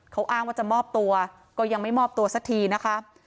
เขาอ้างว่าจะมอบตัวก็ยังไม่มอบตัวสักทีนะคะ